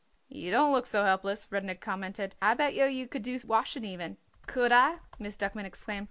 "You don't look so helpless," Rudnik commented; "I bet yer you could do washing even." "Could I?" Miss Duckman exclaimed.